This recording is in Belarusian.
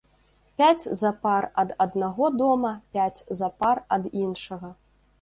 Пяць запар ад аднаго дома, пяць запар ад іншага.